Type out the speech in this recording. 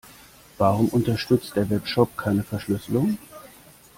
Warum unterstützt der Webshop keine Verschlüsselung?